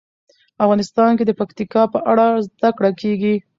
افغانستان کې د پکتیکا په اړه زده کړه کېږي.